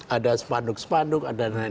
ada sepaduk sepaduk dan lain lain